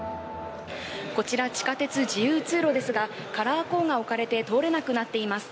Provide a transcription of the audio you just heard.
こちら地下鉄自由通路ですがカラーコーンが置かれて通れなくなっています。